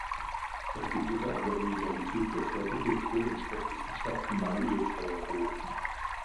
Er studierte an der Universität für Körperkultur und Sportwissenschaften „Manuel Fajardo“.